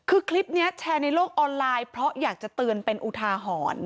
คือคลิปนี้แชร์ในโลกออนไลน์เพราะอยากจะเตือนเป็นอุทาหรณ์